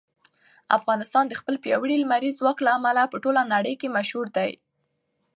افغانستان د خپل پیاوړي لمریز ځواک له امله په ټوله نړۍ کې مشهور دی.